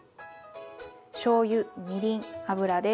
しょうゆみりん油です。